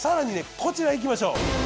こちらいきましょう。